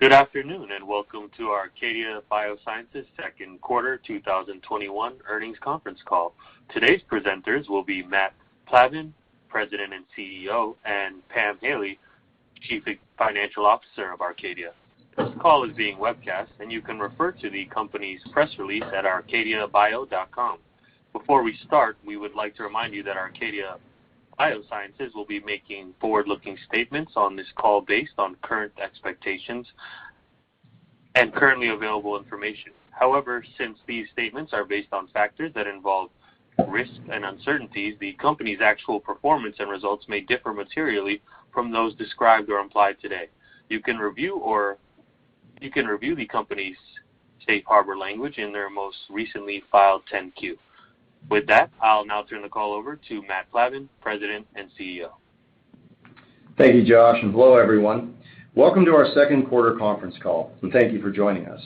Good afternoon, welcome to Arcadia Biosciences second quarter 2021 earnings conference call. Today's presenters will be Matt Plavan, President and CEO, and Pam Haley, Chief Financial Officer of Arcadia. This call is being webcast, and you can refer to the company's press release at arcadiabio.com. Before we start, we would like to remind you that Arcadia Biosciences will be making forward-looking statements on this call based on current expectations and currently available information. However, since these statements are based on factors that involve risk and uncertainties, the company's actual performance and results may differ materially from those described or implied today. You can review the company's safe harbor language in their most recently filed 10-Q. With that, I'll now turn the call over to Matt Plavan, President and CEO. Thank you, Josh. Hello, everyone. Welcome to our second quarter conference call. Thank you for joining us.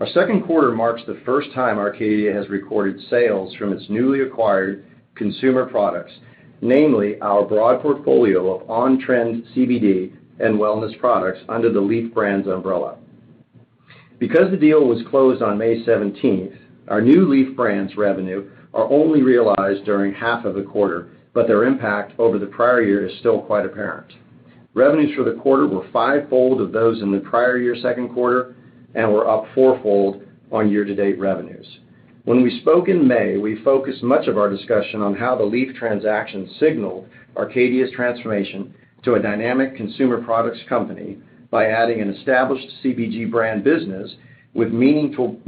Our second quarter marks the first time Arcadia has recorded sales from its newly acquired consumer products, namely our broad portfolio of on-trend CBD and wellness products under the Lief brands umbrella. Because the deal was closed on May 17th, our new Lief brands revenue are only realized during half of the quarter. Their impact over the prior year is still quite apparent. Revenues for the quarter were fivefold of those in the prior year second quarter, and were up fourfold on year-to-date revenues. When we spoke in May, we focused much of our discussion on how the Lief transaction signaled Arcadia's transformation to a dynamic consumer products company by adding an established CPG brand business with meaningful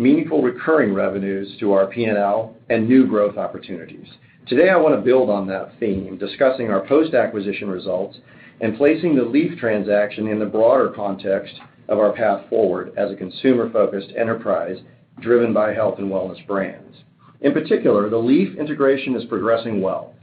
recurring revenues to our P&L and new growth opportunities. Today, I want to build on that theme, discussing our post-acquisition results and placing the Lief transaction in the broader context of our path forward as a consumer-focused enterprise driven by health and wellness brands. In particular, the Lief integration is progressing well.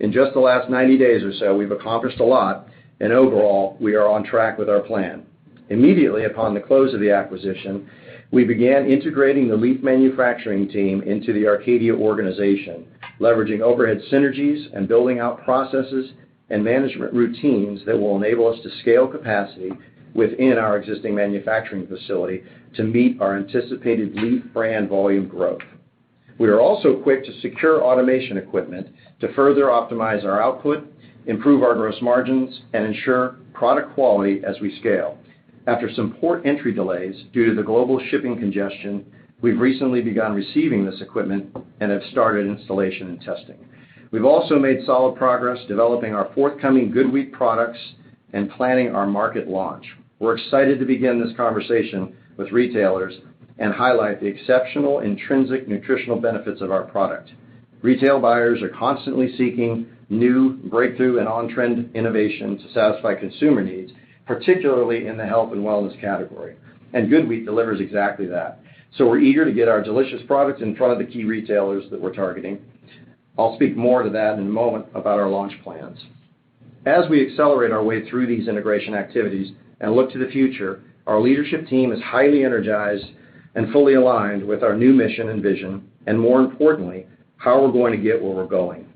In just the last 90 days or so, we've accomplished a lot, and overall, we are on track with our plan. Immediately upon the close of the acquisition, we began integrating the Lief manufacturing team into the Arcadia organization, leveraging overhead synergies and building out processes and management routines that will enable us to scale capacity within our existing manufacturing facility to meet our anticipated Lief brand volume growth. We are also quick to secure automation equipment to further optimize our output, improve our gross margins, and ensure product quality as we scale. After some port entry delays due to the global shipping congestion, we've recently begun receiving this equipment and have started installation and testing. We've also made solid progress developing our forthcoming GoodWheat products and planning our market launch. We're excited to begin this conversation with retailers and highlight the exceptional intrinsic nutritional benefits of our product. Retail buyers are constantly seeking new breakthrough and on-trend innovations to satisfy consumer needs, particularly in the health and wellness category. GoodWheat delivers exactly that. We're eager to get our delicious products in front of the key retailers that we're targeting. I'll speak more to that in a moment about our launch plans. As we accelerate our way through these integration activities and look to the future, our leadership team is highly energized and fully aligned with our new mission and vision, and more importantly, how we're going to get where we're going.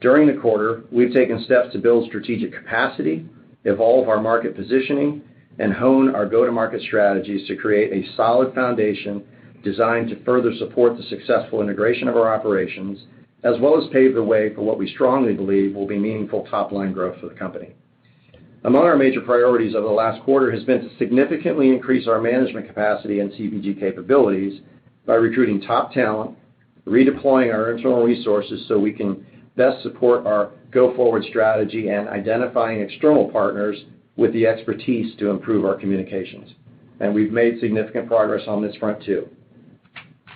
During the quarter, we've taken steps to build strategic capacity, evolve our market positioning, and hone our go-to-market strategies to create a solid foundation designed to further support the successful integration of our operations, as well as pave the way for what we strongly believe will be meaningful top-line growth for the company. Among our major priorities over the last quarter has been to significantly increase our management capacity and CPG capabilities by recruiting top talent, redeploying our internal resources so we can best support our go-forward strategy, and identifying external partners with the expertise to improve our communications. We've made significant progress on this front, too.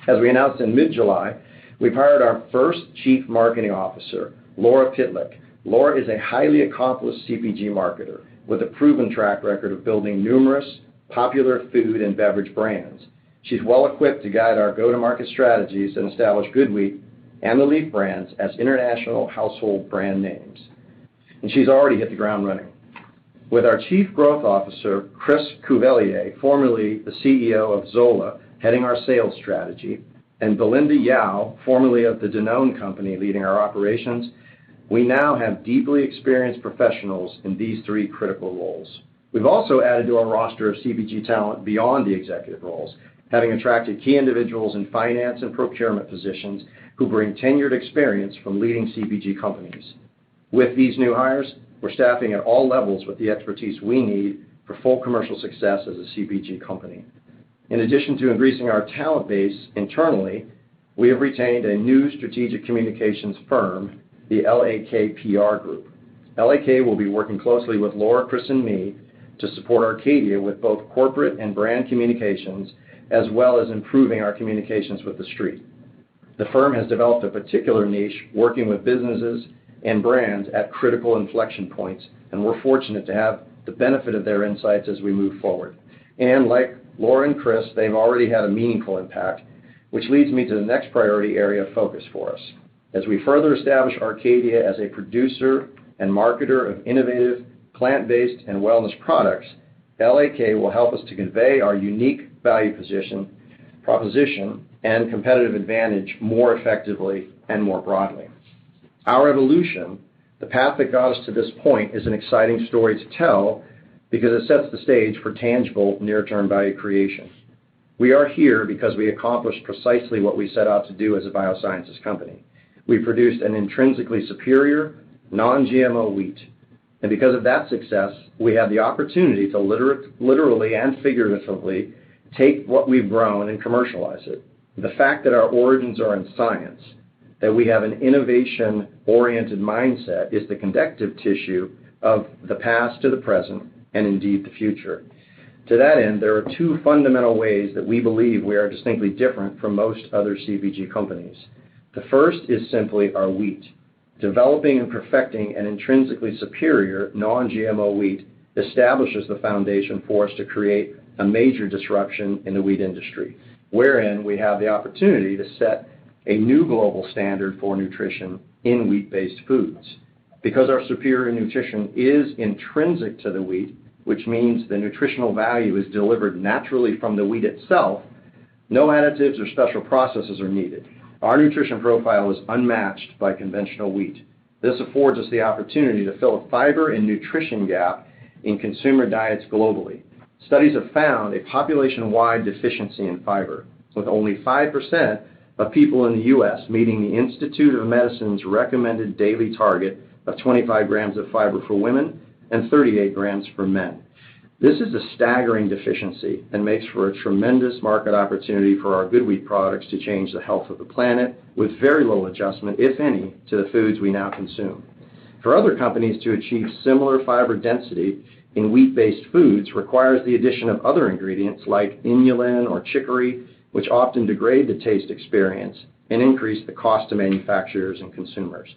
As we announced in mid-July, we've hired our first Chief Marketing Officer, Laura Pitlik. Laura is a highly accomplished CPG marketer with a proven track record of building numerous popular food and beverage brands. She's well-equipped to guide our go-to-market strategies and establish GoodWheat and the Lief brands as international household brand names. She's already hit the ground running. With our Chief Growth Officer, Chris Cuvelier, formerly the CEO of Zola, heading our sales strategy, and Belinda Yao, formerly of The Dannon Company, leading our operations, we now have deeply experienced professionals in these three critical roles. We've also added to our roster of CPG talent beyond the executive roles, having attracted key individuals in finance and procurement positions who bring tenured experience from leading CPG companies. With these new hires, we're staffing at all levels with the expertise we need for full commercial success as a CPG company. In addition to increasing our talent base internally, we have retained a new strategic communications firm, the LAKPR Group. LAK will be working closely with Laura Pitlik, Chris Cuvelier, and me to support Arcadia with both corporate and brand communications, as well as improving our communications with the street. The firm has developed a particular niche working with businesses and brands at critical inflection points, and we're fortunate to have the benefit of their insights as we move forward. Like Laura and Chris, they've already had a meaningful impact, which leads me to the next priority area of focus for us. As we further establish Arcadia as a producer and marketer of innovative plant-based and wellness products, LAK will help us to convey our unique value position, proposition, and competitive advantage more effectively and more broadly. Our evolution, the path that got us to this point, is an exciting story to tell because it sets the stage for tangible near-term value creation. We are here because we accomplished precisely what we set out to do as a biosciences company. We produced an intrinsically superior non-GMO wheat, and because of that success, we have the opportunity to literally and figuratively take what we've grown and commercialize it. The fact that our origins are in science, that we have an innovation-oriented mindset, is the conductive tissue of the past to the present and indeed the future. To that end, there are two fundamental ways that we believe we are distinctly different from most other CPG companies. The first is simply our wheat. Developing and perfecting an intrinsically superior non-GMO wheat establishes the foundation for us to create a major disruption in the wheat industry, wherein we have the opportunity to set a new global standard for nutrition in wheat-based foods. Because our superior nutrition is intrinsic to the wheat, which means the nutritional value is delivered naturally from the wheat itself, no additives or special processes are needed. Our nutrition profile is unmatched by conventional wheat. This affords us the opportunity to fill a fiber and nutrition gap in consumer diets globally. Studies have found a population-wide deficiency in fiber, with only 5% of people in the U.S. meeting the Institute of Medicine's recommended daily target of 25 g of fiber for women and 38 g for men. This is a staggering deficiency and makes for a tremendous market opportunity for our GoodWheat products to change the health of the planet with very little adjustment, if any, to the foods we now consume. For other companies to achieve similar fiber density in wheat-based foods requires the addition of other ingredients like inulin or chicory, which often degrade the taste experience and increase the cost to manufacturers and consumers.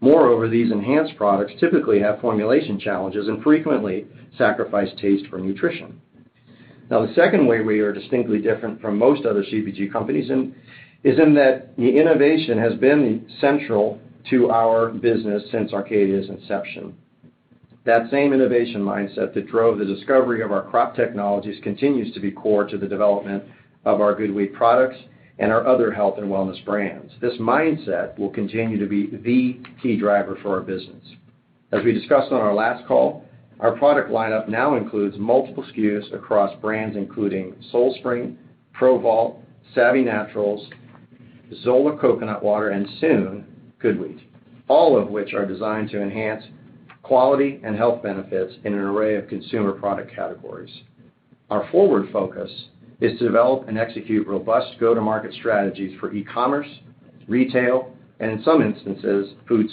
Moreover, these enhanced products typically have formulation challenges and frequently sacrifice taste for nutrition. The second way we are distinctly different from most other CPG companies is in that the innovation has been central to our business since Arcadia's inception. That same innovation mindset that drove the discovery of our crop technologies continues to be core to the development of our GoodWheat products and our other health and wellness brands. This mindset will continue to be the key driver for our business. As we discussed on our last call, our product lineup now includes multiple SKUs across brands including Soul Spring, ProVault, Saavy Naturals, Zola Coconut Water, and soon, GoodWheat, all of which are designed to enhance quality and health benefits in an array of consumer product categories. Our forward focus is to develop and execute robust go-to-market strategies for e-commerce, retail, and in some instances, food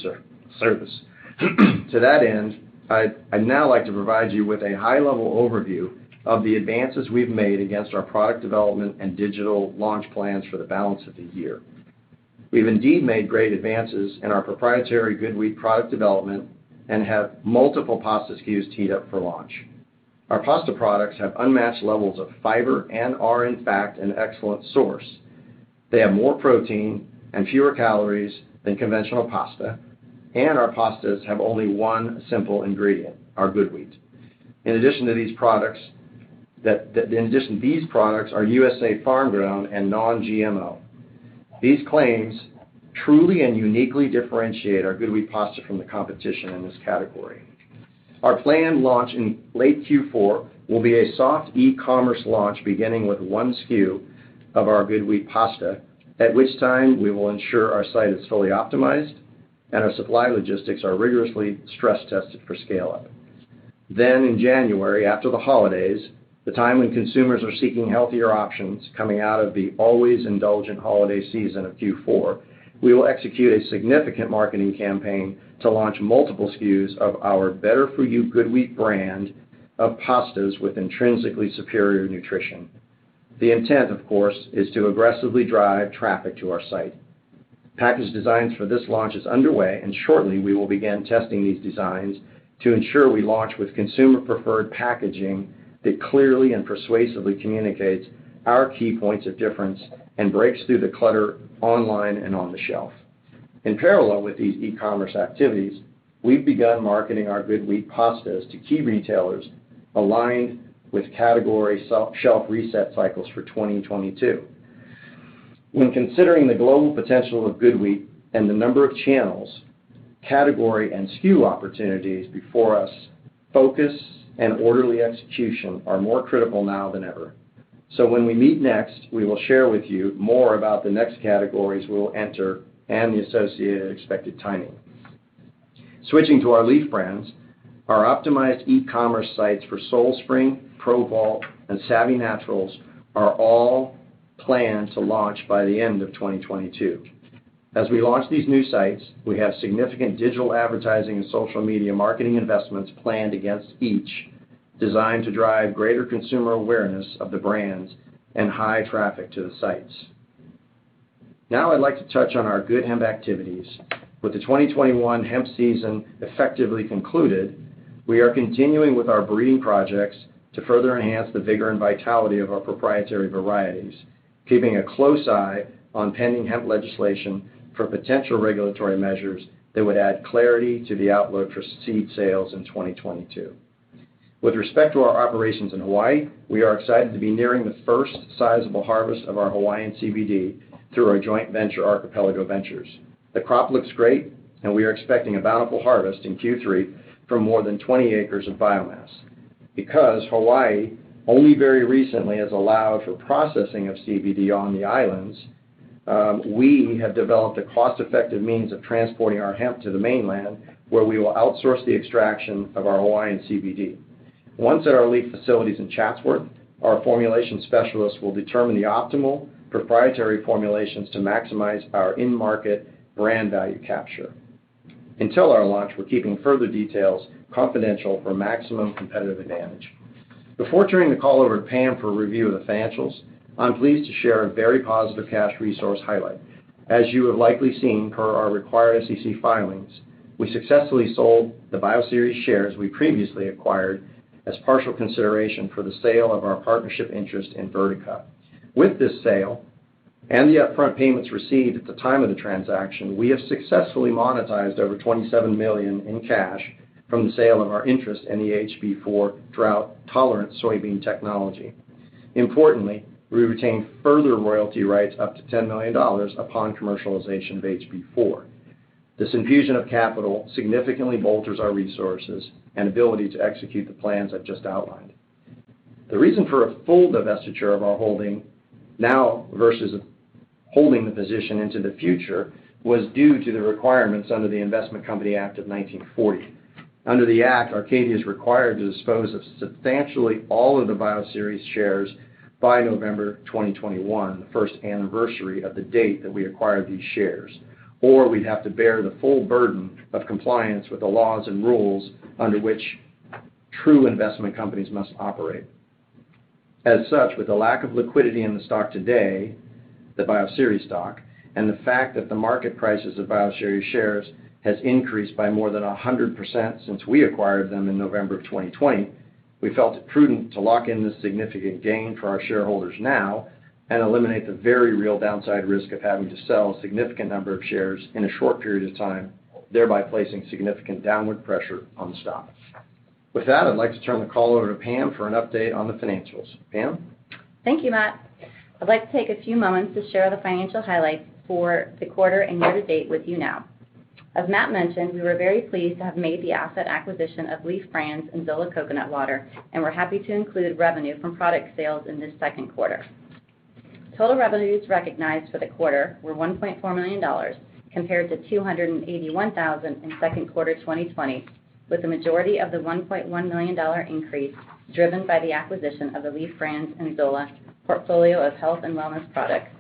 service. To that end, I'd now like to provide you with a high-level overview of the advances we've made against our product development and digital launch plans for the balance of the year. We've indeed made great advances in our proprietary GoodWheat product development and have multiple pasta SKUs teed up for launch. Our pasta products have unmatched levels of fiber and are, in fact, an excellent source. They have more protein and fewer calories than conventional pasta, and our pastas have only one simple ingredient, our GoodWheat. In addition to these products, our USA farm-grown and non-GMO claims truly and uniquely differentiate our GoodWheat pasta from the competition in this category. Our planned launch in late Q4 will be a soft e-commerce launch, beginning with one SKU of our GoodWheat pasta, at which time we will ensure our site is fully optimized and our supply logistics are rigorously stress-tested for scale-up. In January, after the holidays, the time when consumers are seeking healthier options coming out of the always indulgent holiday season of Q4, we will execute a significant marketing campaign to launch multiple SKUs of our better-for-you GoodWheat brand of pastas with intrinsically superior nutrition. The intent, of course, is to aggressively drive traffic to our site. Package designs for this launch is underway, and shortly, we will begin testing these designs to ensure we launch with consumer-preferred packaging that clearly and persuasively communicates our key points of difference and breaks through the clutter online and on the shelf. In parallel with these e-commerce activities, we've begun marketing our GoodWheat pastas to key retailers aligned with category shelf reset cycles for 2022. When considering the global potential of GoodWheat and the number of channels, category, and SKU opportunities before us, focus and orderly execution are more critical now than ever. When we meet next, we will share with you more about the next categories we'll enter and the associated expected timing. Switching to our Lief brands, our optimized e-commerce sites for Soul Spring, ProVault, and Saavy Naturals are all planned to launch by the end of 2022. As we launch these new sites, we have significant digital advertising and social media marketing investments planned against each, designed to drive greater consumer awareness of the brands and high traffic to the sites. I'd like to touch on our GoodHemp activities. With the 2021 hemp season effectively concluded, we are continuing with our breeding projects to further enhance the vigor and vitality of our proprietary varieties, keeping a close eye on pending hemp legislation for potential regulatory measures that would add clarity to the outlook for seed sales in 2022. With respect to our operations in Hawaii, we are excited to be nearing the first sizable harvest of our Hawaiian CBD through our joint venture, Archipelago Ventures. The crop looks great, and we are expecting a bountiful harvest in Q3 from more than 20 acres of biomass. Because Hawaii only very recently has allowed for processing of CBD on the islands, we have developed a cost-effective means of transporting our hemp to the mainland, where we will outsource the extraction of our Hawaiian CBD. Once at our Lief facilities in Chatsworth, our formulation specialists will determine the optimal proprietary formulations to maximize our in-market brand value capture. Until our launch, we're keeping further details confidential for maximum competitive advantage. Before turning the call over to Pam for a review of the financials, I'm pleased to share a very positive cash resource highlight. As you have likely seen per our required SEC filings, we successfully sold the Bioceres shares we previously acquired as partial consideration for the sale of our partnership interest in Verdeca. With this sale and the upfront payments received at the time of the transaction, we have successfully monetized over $27 million in cash from the sale of our interest in the HB4 drought-tolerant soybean technology. Importantly, we retain further royalty rights up to $10 million upon commercialization of HB4. This infusion of capital significantly bolsters our resources and ability to execute the plans I've just outlined. The reason for a full divestiture of our holding now versus holding the position into the future was due to the requirements under the Investment Company Act of 1940. Under the act, Arcadia is required to dispose of substantially all of the Bioceres shares by November 2021, the first anniversary of the date that we acquired these shares. We'd have to bear the full burden of compliance with the laws and rules under which true investment companies must operate. As such, with the lack of liquidity in the stock today, the Bioceres stock, and the fact that the market prices of Bioceres shares has increased by more than 100% since we acquired them in November of 2020, we felt it prudent to lock in this significant gain for our shareholders now and eliminate the very real downside risk of having to sell a significant number of shares in a short period of time, thereby placing significant downward pressure on the stock. With that, I'd like to turn the call over to Pam for an update on the financials. Pam? Thank you, Matt. I'd like to take a few moments to share the financial highlights for the quarter and year-to-date with you now. As Matt mentioned, we were very pleased to have made the asset acquisition of Lief brands and Zola Coconut Water, and we're happy to include revenue from product sales in this second quarter. Total revenues recognized for the quarter were $1.4 million, compared to $281,000 in second quarter 2020, with the majority of the $1.1 million increase driven by the acquisition of the Lief brands and Zola portfolio of health and wellness products,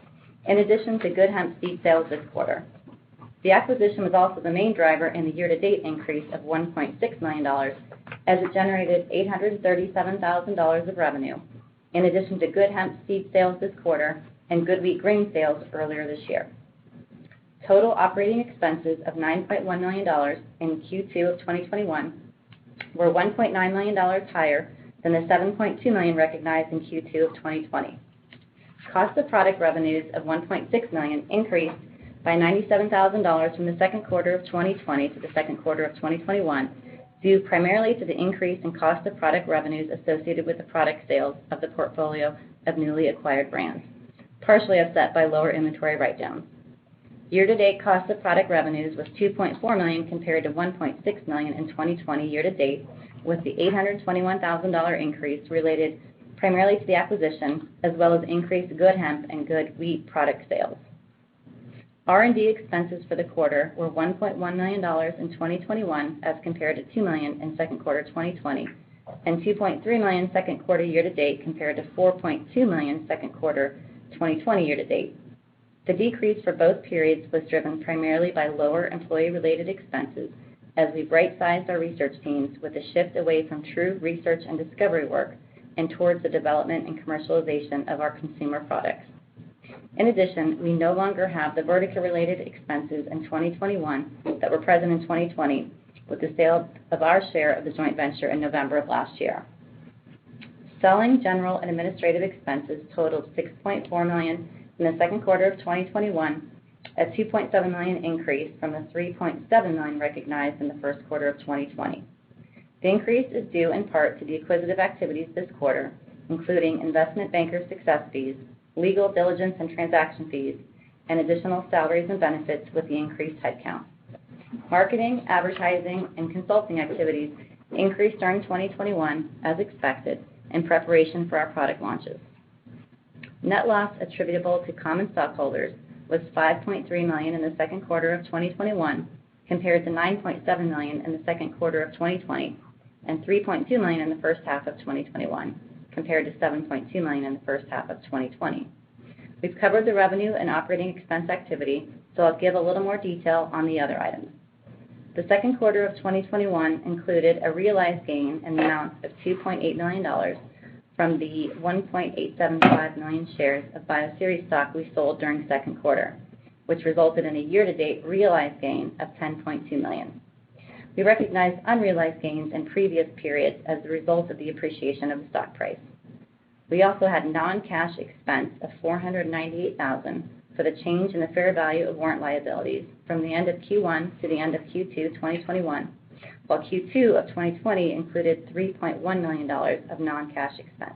in addition to GoodHemp seed sales this quarter. The acquisition was also the main driver in the year-to-date increase of $1.6 million, as it generated $837,000 of revenue, in addition to GoodHemp seed sales this quarter and GoodWheat grain sales earlier this year. Total operating expenses of $9.1 million in Q2 of 2021 were $1.9 million higher than the $7.2 million recognized in Q2 of 2020. Cost of product revenues of $1.6 million increased by $97,000 from the second quarter of 2020 to the second quarter of 2021, due primarily to the increase in cost of product revenues associated with the product sales of the portfolio of newly acquired brands, partially offset by lower inventory write-down. Year-to-date cost of product revenues was $2.4 million, compared to $1.6 million in 2020 year-to-date, with the $821,000 increase related primarily to the acquisition, as well as increased GoodHemp and GoodWheat product sales. R&D expenses for the quarter were $1.1 million in 2021 as compared to $2 million in second quarter 2020, and $2.3 million second quarter year-to-date compared to $4.2 million second quarter 2020 year-to-date. The decrease for both periods was driven primarily by lower employee-related expenses as we right-sized our research teams with a shift away from true research and discovery work and towards the development and commercialization of our consumer products. In addition, we no longer have the Verdeca-related expenses in 2021 that were present in 2020 with the sale of our share of the joint venture in November of last year. Selling, general, and administrative expenses totaled $6.4 million in the second quarter of 2021, a $2.7 million increase from the $3.7 million recognized in the first quarter of 2020. The increase is due in part to the acquisitive activities this quarter, including investment banker success fees, legal diligence and transaction fees, and additional salaries and benefits with the increased headcount. Marketing, advertising, and consulting activities increased during 2021, as expected, in preparation for our product launches. Net loss attributable to common stockholders was $5.3 million in the second quarter of 2021 compared to $9.7 million in the second quarter of 2020 and $3.2 million in the first half of 2021 compared to $7.2 million in the first half of 2020. We've covered the revenue and operating expense activity, I'll give a little more detail on the other items. The second quarter of 2021 included a realized gain in the amount of $2.8 million from the 1.875 million shares of Bioceres stock we sold during the second quarter, which resulted in a year-to-date realized gain of $10.2 million. We recognized unrealized gains in previous periods as the result of the appreciation of the stock price. We also had non-cash expense of $498,000 for the change in the fair value of warrant liabilities from the end of Q1 to the end of Q2 2021, while Q2 of 2020 included $3.1 million of non-cash expense.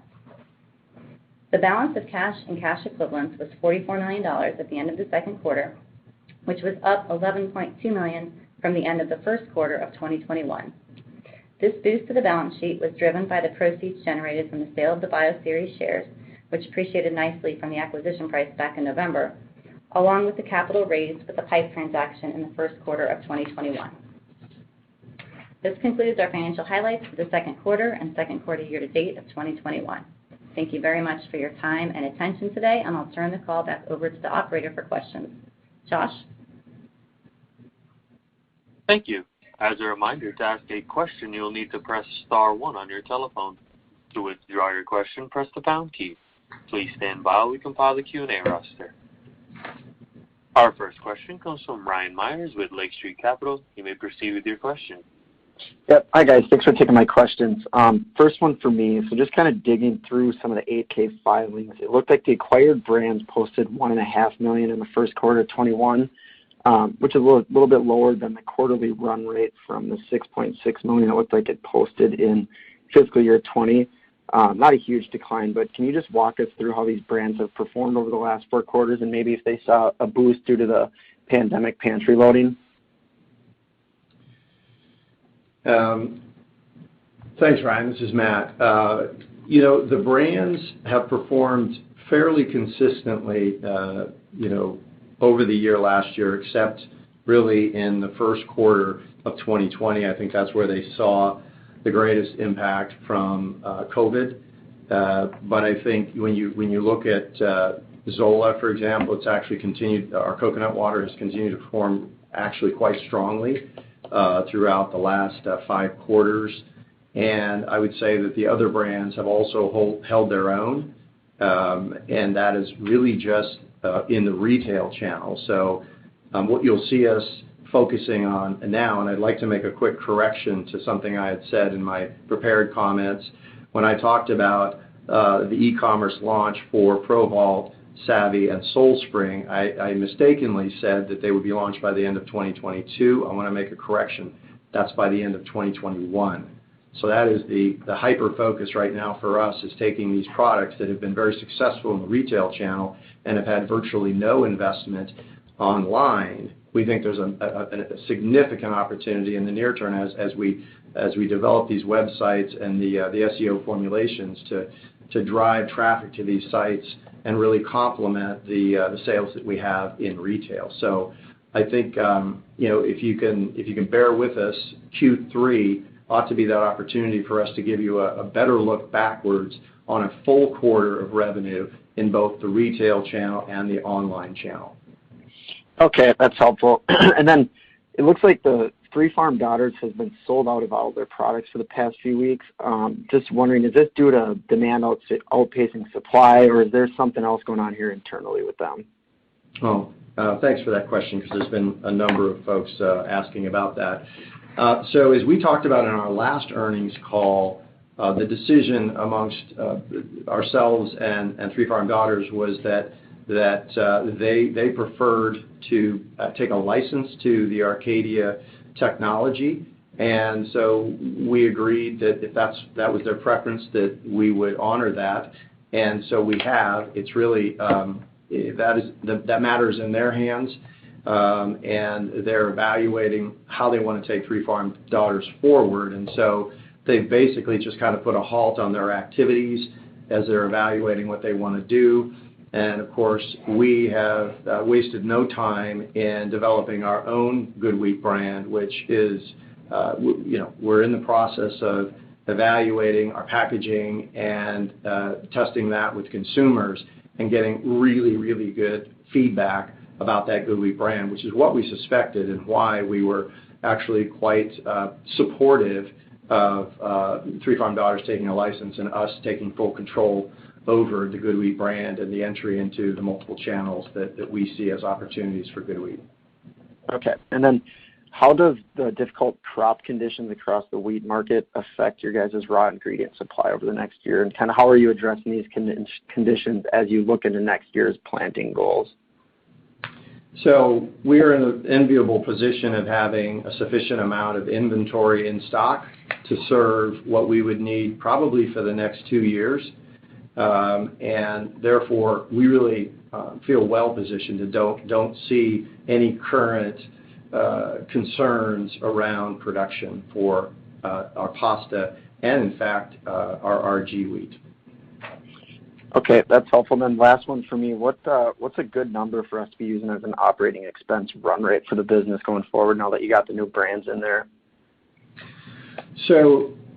The balance of cash and cash equivalents was $44 million at the end of the second quarter, which was up $11.2 million from the end of the first quarter of 2021. This boost to the balance sheet was driven by the proceeds generated from the sale of the Bioceres shares, which appreciated nicely from the acquisition price back in November, along with the capital raised with the PIPE transaction in the first quarter of 2021. This concludes our financial highlights for the second quarter and second quarter year to date of 2021. Thank you very much for your time and attention today, and I'll turn the call back over to the operator for questions. Josh? Thank you. As a reminder, to ask a question, you'll need to press star one on your telephone. To withdraw your question, press the pound key. Please stand by while we compile the Q&A roster. Our first question comes from Ryan Meyers with Lake Street Capital. You may proceed with your question. Yep. Hi, guys. Thanks for taking my questions. First one for me. Just kind of digging through some of the 8-K filings, it looked like the acquired brands posted $1.5 million in the first quarter of 2021, which is a little bit lower than the quarterly run rate from the $6.6 million it looked like it posted in fiscal year 2020. Not a huge decline, but can you just walk us through how these brands have performed over the last four quarters and maybe if they saw a boost due to the pandemic pantry loading? Thanks, Ryan. This is Matt. The brands have performed fairly consistently over the year last year, except really in the first quarter of 2020. I think that's where they saw the greatest impact from COVID. I think when you look at Zola, for example, our Zola Coconut Water has continued to perform actually quite strongly throughout the last five quarters, and I would say that the other brands have also held their own, and that is really just in the retail channel. What you'll see us focusing on now, and I'd like to make a quick correction to something I had said in my prepared comments. When I talked about the e-commerce launch for ProVault, Saavy, and Soul Spring, I mistakenly said that they would be launched by the end of 2022. I want to make a correction. That's by the end of 2021. That is the hyper-focus right now for us, is taking these products that have been very successful in the retail channel and have had virtually no investment online. We think there's a significant opportunity in the near term as we develop these websites and the SEO formulations to drive traffic to these sites and really complement the sales that we have in retail. I think, if you can bear with us, Q3 ought to be that opportunity for us to give you a better look backwards on a full quarter of revenue in both the retail channel and the online channel. Okay. That's helpful. It looks like the Three Farm Daughters has been sold out of all their products for the past few weeks. Just wondering, is this due to demand outpacing supply, or is there something else going on here internally with them? Thanks for that question because there's been a number of folks asking about that. As we talked about in our last earnings call, the decision amongst ourselves and Three Farm Daughters was that they preferred to take a license to the Arcadia technology. We agreed that if that was their preference, that we would honor that. We have. That matter's in their hands, and they're evaluating how they want to take Three Farm Daughters forward. They've basically just kind of put a halt on their activities as they're evaluating what they want to do. Of course, we have wasted no time in developing our own GoodWheat brand, which is we're in the process of evaluating our packaging and testing that with consumers and getting really, really good feedback about that GoodWheat brand, which is what we suspected and why we were actually quite supportive of Three Farm Daughters taking a license and us taking full control over the GoodWheat brand and the entry into the multiple channels that we see as opportunities for GoodWheat. Okay. How does the difficult crop conditions across the wheat market affect your guys' raw ingredient supply over the next year, and kind of how are you addressing these conditions as you look into next year's planting goals? We are in the enviable position of having a sufficient amount of inventory in stock to serve what we would need probably for the next two years. Therefore, we really feel well-positioned and don't see any current concerns around production for our pasta and in fact, our GoodWheat. Okay, that's helpful. Last one for me. What's a good number for us to be using as an operating expense run rate for the business going forward now that you got the new brands in there?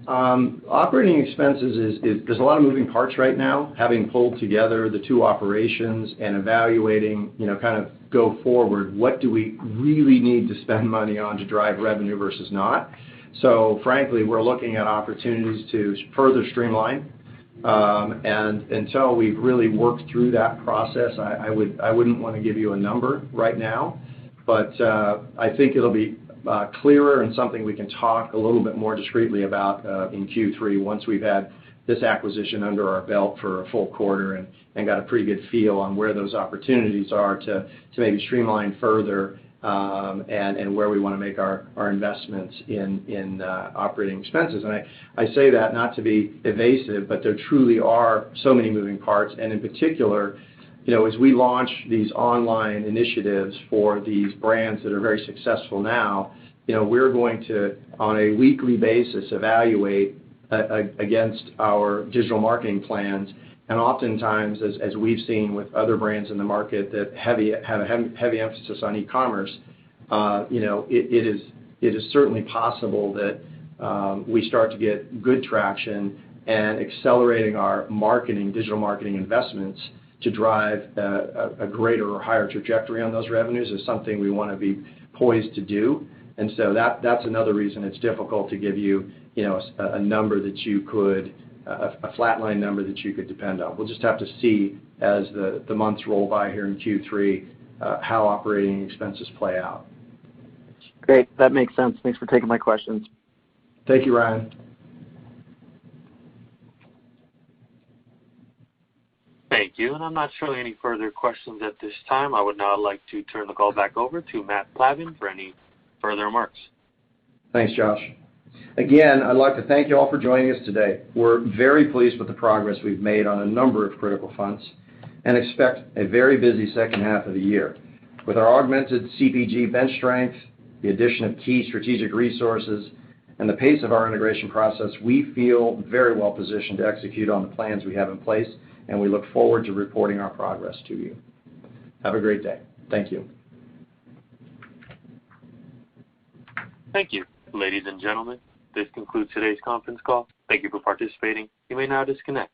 Operating expenses, there's a lot of moving parts right now, having pulled together the two operations and evaluating kind of go forward, what do we really need to spend money on to drive revenue versus not. Frankly, we're looking at opportunities to further streamline. Until we've really worked through that process, I wouldn't want to give you a number right now. I think it'll be clearer and something we can talk a little bit more discreetly about in Q3, once we've had this acquisition under our belt for a full quarter and got a pretty good feel on where those opportunities are to maybe streamline further and where we want to make our investments in operating expenses. I say that not to be evasive, but there truly are so many moving parts. In particular, as we launch these online initiatives for these brands that are very successful now, we're going to, on a weekly basis, evaluate against our digital marketing plans. Oftentimes, as we've seen with other brands in the market that have a heavy emphasis on e-commerce, it is certainly possible that we start to get good traction and accelerating our digital marketing investments to drive a greater or higher trajectory on those revenues is something we want to be poised to do. That's another reason it's difficult to give you a flat line number that you could depend on. We'll just have to see as the months roll by here in Q3 how operating expenses play out. Great. That makes sense. Thanks for taking my questions. Thank you, Ryan. Thank you. I'm not showing any further questions at this time. I would now like to turn the call back over to Matt Plavan for any further remarks. Thanks, Josh. Again, I'd like to thank you all for joining us today. We're very pleased with the progress we've made on a number of critical fronts and expect a very busy second half of the year. With our augmented CPG bench strength, the addition of key strategic resources, and the pace of our integration process, we feel very well positioned to execute on the plans we have in place, and we look forward to reporting our progress to you. Have a great day. Thank you. Thank you. Ladies and gentlemen, this concludes today's conference call. Thank you for participating. You may now disconnect.